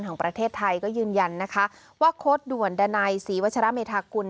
แห่งประเทศไทยก็ยืนยันนะคะว่าโค้ดด่วนดันัยศรีวัชระเมธากุล